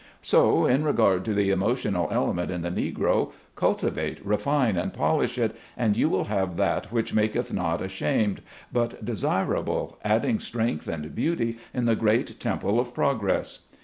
So, in regard to the emotional element in the Negro, cultivate, refine and polish it, and you will have that which maketh not ashamed, but desirable, adding strength and beauty in the great temple of progress.